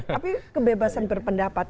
tapi kebebasan berpendapat